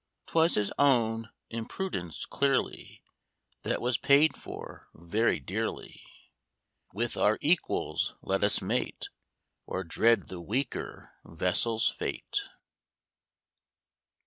'Twas his own imprudence, clearly, That was paid for very dearly. With our equals let us mate, Or dread the weaker vessel's fate.